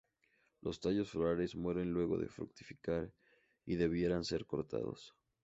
Los tallos florales mueren luego de fructificar y debieran ser cortados.